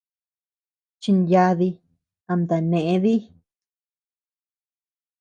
Chinyadi, amtea nee dii.